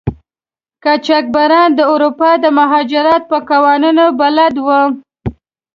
قاچاقبران د اروپا د مهاجرت په قوانینو بلد وو.